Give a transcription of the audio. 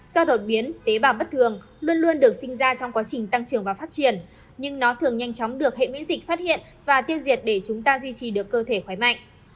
do đột biến tế bào bất thường luôn luôn được sinh ra trong quá trình tăng trưởng và phát triển nhưng nó thường nhanh chóng được hệ miễn dịch phát hiện và tiêu diệt để chúng ta duy trì được cơ thể khỏe mạnh